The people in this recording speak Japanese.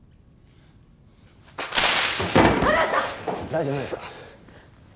大丈夫ですか？